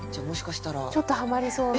ちょっとハマりそうな予感既に。